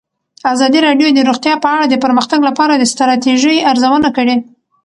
ازادي راډیو د روغتیا په اړه د پرمختګ لپاره د ستراتیژۍ ارزونه کړې.